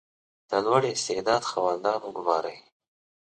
• د لوړ استعداد خاوندان وګمارئ.